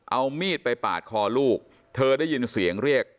เอามีดไปปาดคอลูกเธอได้ยินเสียงเรียก